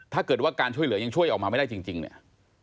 ถ้าเกิดว่าการช่วยเหลือยังช่วยออกมาไม่ได้จริงเนี่ย